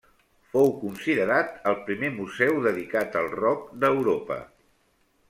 Fou considerat el primer museu dedicat al rock d'Europa.